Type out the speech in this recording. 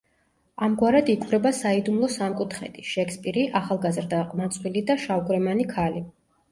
ამგვარად იკვრება საიდუმლო სამკუთხედი: შექსპირი, ახალგაზრდა ყმაწვილი და შავგვრემანი ქალი.